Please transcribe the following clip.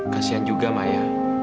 kasian juga maya